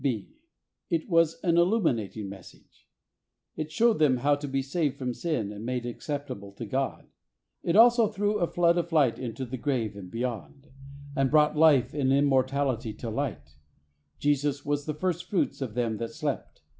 (b) It was an illuminating message. It showed them how to be saved from sin and made acceptable to God. It also threw a flood of light into the grave and beyond, and "brought life and immortality to light," Jesus was "the first fruits of them that slepit."